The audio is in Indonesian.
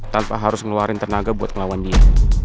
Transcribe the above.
tanpa harus ngeluarin tenaga buat melawan dia